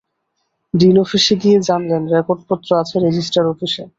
Dean অফিসে গিয়ে জানলেন, রেকর্ডপত্র আছে রেজিস্টার অফিসে।